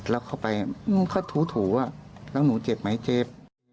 แล้วเข้าไปแคนพูดถูครับแล้วหนูเจ็บมั้ยเจ็บ